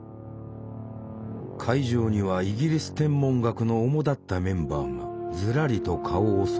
会場にはイギリス天文学のおもだったメンバーがずらりと顔をそろえていた。